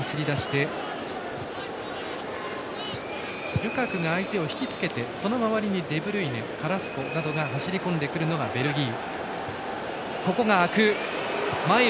ルカクが相手を引き付けてその周りにデブルイネカラスコなどが走り込んでくるのがベルギー。